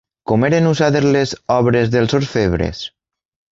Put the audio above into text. Com eren usades les obres dels orfebres?